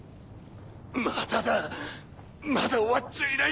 まだだまだ終わっちゃいない！